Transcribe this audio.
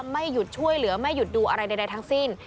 ไม่หยุดช่วยเหลือไม่หยุดดูอะไรใดทั้งสิ้น